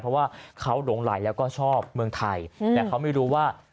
เพราะว่าเขาหลงไหลแล้วก็ชอบเมืองไทยแต่เขาไม่รู้ว่า